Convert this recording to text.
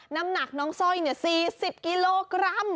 น้ำหนักน้องสร้อย๔๐กิโลกรัม